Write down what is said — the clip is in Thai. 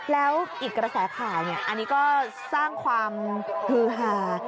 แล้วอีกกระแสข่าวอันนี้ก็สร้างความฮือฮา